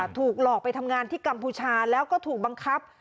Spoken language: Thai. ถูกหลอกไปทำงานที่กัมพูชาแล้วก็ถูกบังคับ